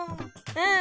うん！